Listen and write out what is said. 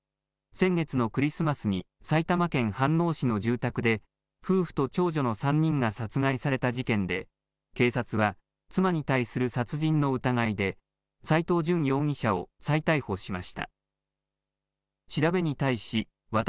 先月のクリスマスに埼玉県飯能市の住宅で、夫婦と長女の３人が殺害された事件で、警察は、妻に対する殺人の疑いで、斎藤淳容疑者を再逮捕しました。